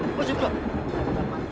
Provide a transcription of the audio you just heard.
assalamualaikum warahmatullahi wabarakatuh